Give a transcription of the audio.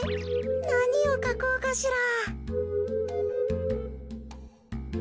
なにをかこうかしら。